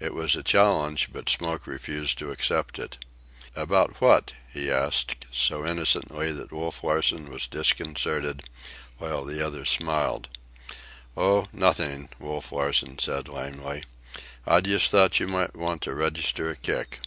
It was a challenge, but Smoke refused to accept it. "About what?" he asked, so innocently that Wolf Larsen was disconcerted, while the others smiled. "Oh, nothing," Wolf Larsen said lamely. "I just thought you might want to register a kick."